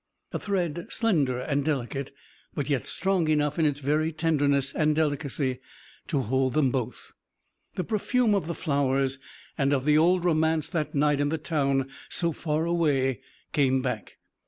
A thread slender and delicate, but yet strong enough in its very tenderness and delicacy to hold them both. The perfume of the flowers and of the old romance that night in the town so far away came back.